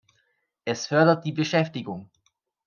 Es fördert die Beschäftigung.